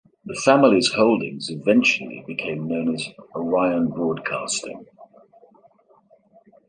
The family's holdings eventually became known as Orion Broadcasting.